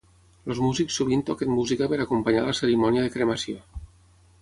Els músics sovint toquen música per acompanyar la cerimònia de cremació.